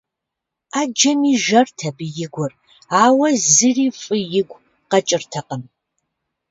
Ӏэджэми жэрт абы и гур, ауэ зыри фӏы игу къэкӏыртэкъым.